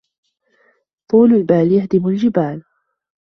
طول البال يهدم الجبال